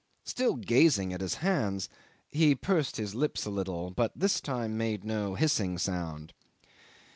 Still gazing at his hands, he pursed his lips a little, but this time made no hissing sound.